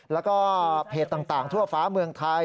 แล้วก็เพจต่างทั่วฟ้าเมืองไทย